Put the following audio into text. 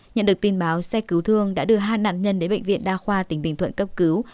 nhận được tin báo xe cứu thương đã đưa hai nạn nhân đến bệnh viện đa khoa tỉnh bình thuận cấp cứu